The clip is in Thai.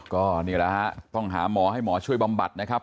ก็นี่แหละฮะต้องหาหมอให้หมอช่วยบำบัดนะครับ